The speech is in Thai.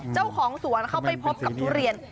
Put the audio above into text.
เจ้าของสวนเข้าไปพบกับทุเรียน